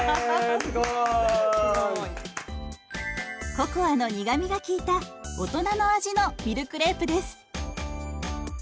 ココアの苦みが利いた大人の味のミルクレープです。